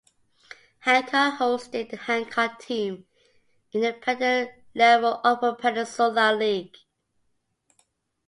Hancock hosted the Hancock team in the Independent level Upper Peninsula League.